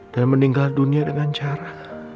dan meninggal dunia dengan cara